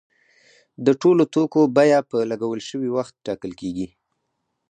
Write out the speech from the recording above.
د ټولو توکو بیه په لګول شوي وخت ټاکل کیږي.